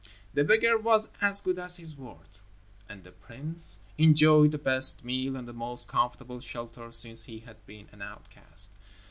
The beggar was as good as his word, and the prince enjoyed the best meal and the most comfortable shelter since he had been an outcast.